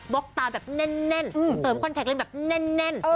ล็อกตาแบบแน่นเสริมคอนแท็กเล่นแบบแน่น